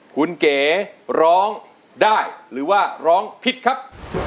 คุณเก๋ร้องได้หรือว่าร้องผิดครับ